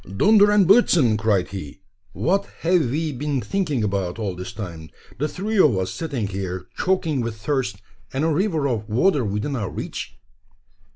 "Dunder und blitzen!" cried he; "what have we been thinking about all this time? The three of us sitting here choking with thirst, and a river of water within our reach!"